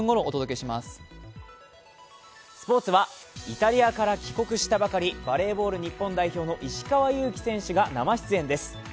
スポーツはイタリアから帰国したばかり、バレーボール日本代表の石川祐希選手が生出演です。